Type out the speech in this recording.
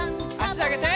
あしあげて。